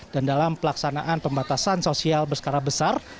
dan dalam pelaksanaan pembatasan sosial berskala besar